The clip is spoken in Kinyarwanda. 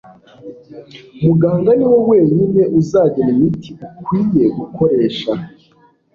muganga niwe wenyine uzagena imiti ukwiye gukoresha